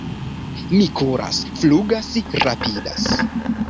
Mi kuras, flugas, rapidas!